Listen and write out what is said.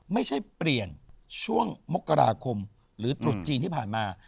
ไม่ใช่เปลี่ยนช่วงมกราคมหรือตรุษจีนที่ผ่านมา